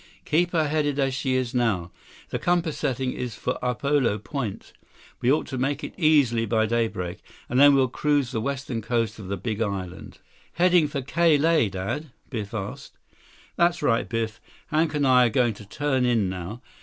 "Keep her headed as she is now. The compass setting is for Upolu Point. We ought to make it easily by daybreak, and then we'll cruise the western coast of the Big Island." "Heading for Ka Lae, Dad?" Biff asked. 99 "That's right, Biff. Hank and I are going to turn in now.